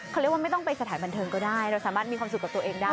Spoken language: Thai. เขาเรียกว่าไม่ต้องไปสถานบันเทิงก็ได้เราสามารถมีความสุขกับตัวเองได้